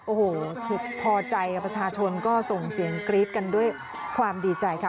โอ้โหพอใจกับประชาชนก็ส่งเสียงกรี๊ดกันด้วยความดีใจค่ะ